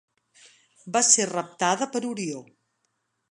Va ser raptada per Orió.